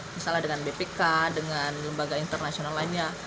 misalnya dengan bpk dengan lembaga internasional lainnya